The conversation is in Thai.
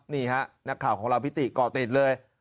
นี่ฮะนักข่าวของเราพิติก่อติดเลย